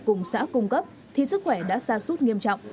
cùng xã cung cấp thì sức khỏe đã xa suốt nghiêm trọng